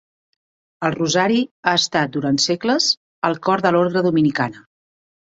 El Rosari ha estat durant segles el cor de l'Orde dominicana.